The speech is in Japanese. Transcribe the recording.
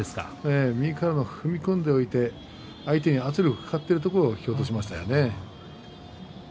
右から踏み込んでおいて相手に圧力がかかっているところを引き落としましたよね。